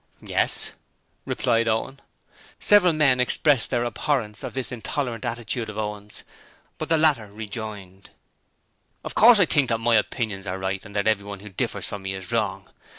'Yes,' replied Owen. Several men expressed their abhorrence of this intolerant attitude of Owen's, but the latter rejoined: 'Of course I think that my opinions are right and that everyone who differs from me is wrong.